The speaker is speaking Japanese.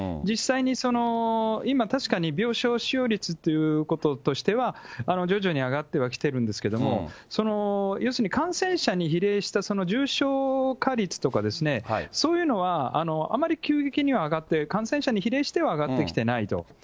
実際に今、確かに病床使用率ということとしては、徐々に上がってはきてるんですけれども、要するに感染者に比例した重症化率とか、そういうのはあまり急激には上がって、感染者に比例しては上がってきてないと。